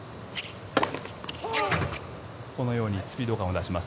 このようにスピード感を出します。